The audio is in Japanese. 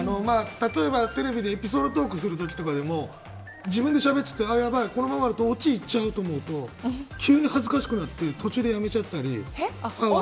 例えばテレビでエピソードトークする時とかでも自分でしゃべってて、やばいこのままだとオチいっちゃうと思うと急に恥ずかしくなって途中でやめちゃったり。